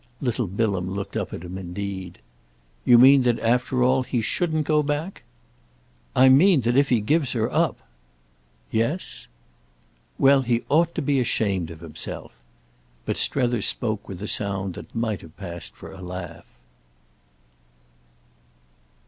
Little Bilham looked at him indeed. "You mean that after all he shouldn't go back?" "I mean that if he gives her up—!" "Yes?" "Well, he ought to be ashamed of himself." But Strether spoke with a sound that might have passed for a laugh.